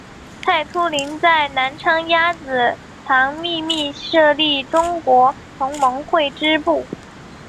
蔡突灵在南昌鸭子塘秘密设立中国同盟会支部。